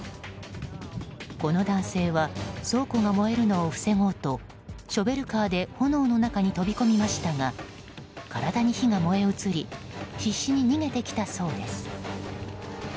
この男性は倉庫が燃えるのを防ごうとショベルカーで炎の中に飛び込みましたが体に火が燃え移り必死に逃げてきたそうです。